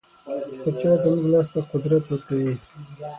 کتابچه زموږ لاس ته قدرت ورکوي